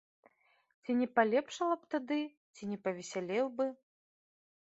Ці не палепшала б тады, ці не павесялеў бы.